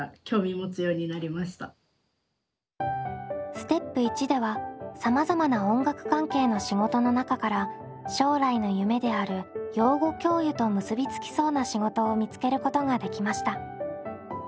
ステップ①ではさまざまな音楽関係の仕事の中から将来の夢である養護教諭と結びつきそうな仕事を見つけることができました。